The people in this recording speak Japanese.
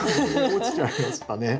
落ちちゃいましたね。